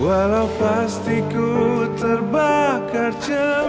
walau pasti ku terbakar cemburu